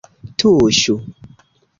Tuŝu!